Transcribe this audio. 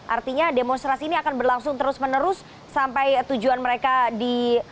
artinya demonstrasi ini akan berlangsung terus menerus sampai tujuan mereka di